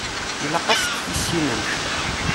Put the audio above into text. Ilaq ad tt-tissinemt.